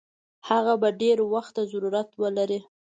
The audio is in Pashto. هغه به ډېر وخت ته ضرورت ولري.